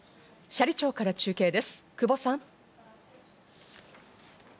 斜里町から中継です、久保さん。